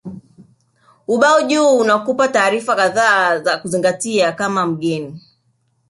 Ubao juu unakupa taarifa kadhaa za kuzingatia kama mgeni